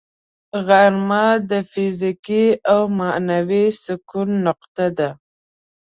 غرمه د فزیکي او معنوي سکون نقطه ده